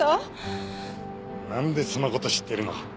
なんでその事知ってるの？